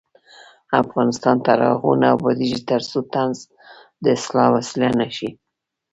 افغانستان تر هغو نه ابادیږي، ترڅو طنز د اصلاح وسیله نشي.